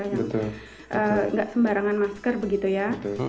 nggak sembarangan masker begitu ya